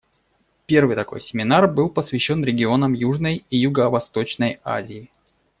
Первый такой семинар был посвящен регионам Южной и Юго-Восточной Азии.